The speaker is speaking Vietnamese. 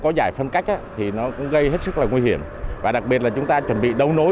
có giải phân cách thì nó cũng gây hết sức là nguy hiểm và đặc biệt là chúng ta chuẩn bị đấu nối